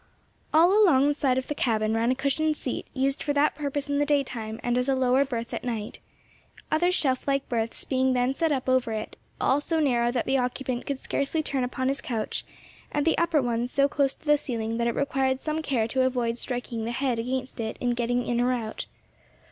All along the side of the cabin ran a cushioned seat; used for that purpose in the daytime and as a lower berth at night; other shelf like berths being then set up over it; all so narrow that the occupant could scarcely turn upon his couch; and the upper ones so close to the ceiling that it required some care to avoid striking the head against it in getting in or out.